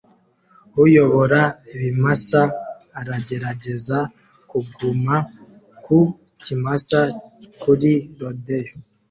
Uyobora ibimasa aragerageza kuguma ku kimasa kuri rodeo